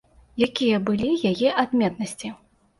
Якія былі яе адметнасці?